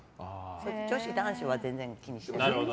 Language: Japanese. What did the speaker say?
女子、男子は全然気にしない。